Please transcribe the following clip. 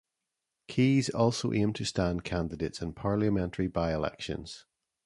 Keys also aimed to stand candidates in Parliamentary by-elections.